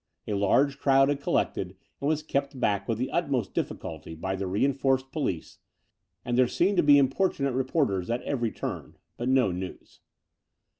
A large crowd had collected, and was kept back with the utmost difficulty by the reinforced police; and there seemed to be importunate re porters at every turn — ^but no news.